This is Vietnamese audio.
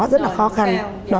rất là khó khăn